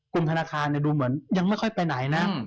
กลุ่มธนาคารยังไม่ค่อยไปใหนนะ